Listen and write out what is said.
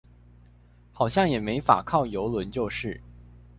好像也沒法靠郵輪就是